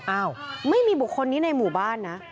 อ้าวไม่มีบุคคลนี้ในหมู่บ้านนะ